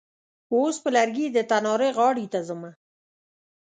اوس په لرګي د تناره غاړې ته ځمه.